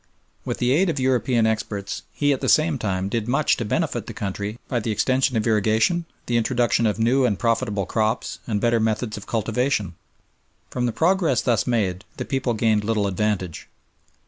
With the aid of European experts, he at the same time did much to benefit the country by the extension of irrigation, the introduction of new and profitable crops and better methods of cultivation. From the progress thus made the people gained little advantage.